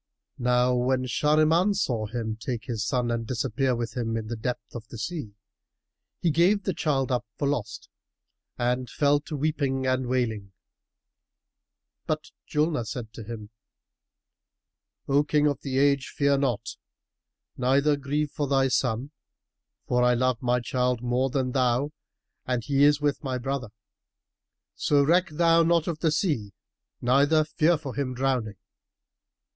Now when Shahriman saw him take his son and disappear with him in the depth of the sea, he gave the child up for lost and fell to weeping and wailing; but Julnar said to him, "O King of the Age, fear not, neither grieve for thy son, for I love my child more than thou and he is with my brother, so reck thou not of the sea neither fear for him drowning.